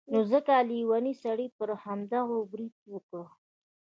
نو ځکه لیوني سړي پر همدغو برید وکړ.